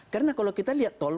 karena kalau kita lihat tol